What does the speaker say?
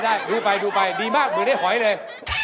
ได้ดูไปดีมากมึงได้หอยเลย